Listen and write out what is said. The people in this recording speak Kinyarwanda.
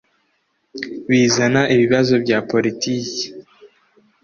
bizana ibibazo bya politiki